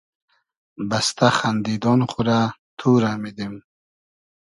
بئستۂ خئندیدۉن خو رۂ تو رۂ میدیم